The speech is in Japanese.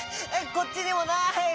こっちにもない！